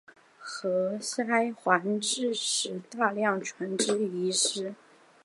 何塞还致使大量船只遗失。